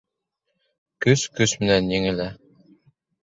Көс көс менән еңелә.